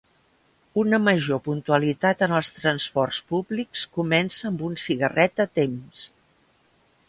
Una major puntualitat en els transports públics comença amb un cigarret a temps.